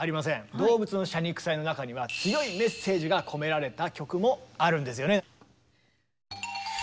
「動物の謝肉祭」の中には強いメッセージが込められた曲もあるんですよね。